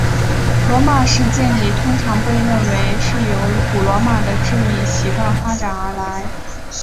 罗马式敬礼通常被认为是由古罗马的致意习惯发展而来。